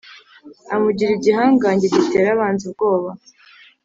amugira igihangange gitera abanzi ubwoba.